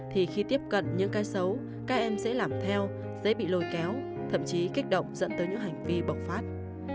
thì khi tiếp cận những cái xấu các em sẽ làm theo dễ bị lôi kéo thậm chí kích động dẫn tới những hành vi bộc phát